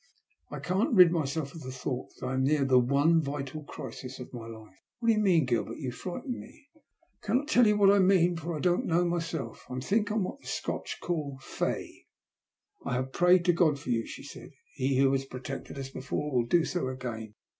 I can't rid myself of the thought that I am near the one vital crisis of my life." " What do you mean, Gilbert ? You frighten me." " I cannot tell you what I mean, for I don't know myself. I think I'm what the Scotch call * fey^ " I have prayed to God for you," she said. " He who has protected us before will do so again.